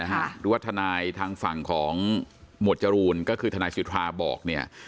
หรือว่าทนายทางฝั่งของหมวดจรูนก็คือทนายสิทธาบอกเนี่ย